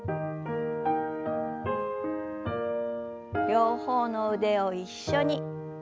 両方の腕を一緒に。